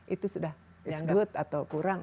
itu sudah it's good atau kurang